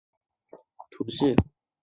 若尔人口变化图示